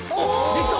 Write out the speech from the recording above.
できた！